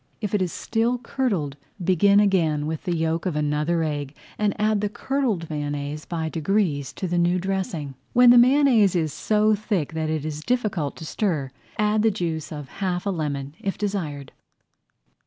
If it is still curdled, begin again with the yolk of another egg and add the curdled mayonnaise by degrees to the new dressing. When the mayonnaise is so thick that it is difficult to stir it, add the juice of half a lemon, if desired.